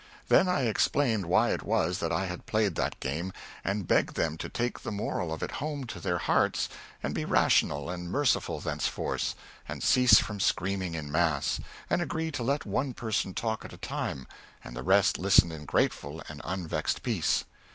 Then I explained why it was that I had played that game, and begged them to take the moral of it home to their hearts and be rational and merciful thenceforth, and cease from screaming in mass, and agree to let one person talk at a time and the rest listen in grateful and unvexed peace.